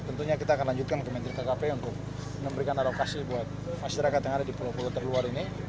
tentunya kita akan lanjutkan ke menteri kkp untuk memberikan alokasi buat masyarakat yang ada di pulau pulau terluar ini